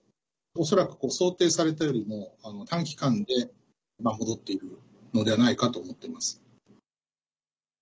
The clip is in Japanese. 恐らく想定されたよりも短期間で戻っているのではないかと思っています。